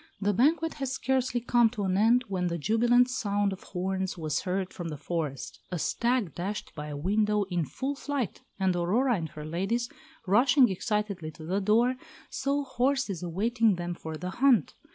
The banquet had scarcely come to an end when the jubilant sound of horns was heard from the forest. A stag dashed by a window in full flight, and Aurora and her ladies, rushing excitedly to the door, saw horses awaiting them for the hunt.